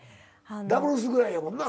ダブルスぐらいやもんな。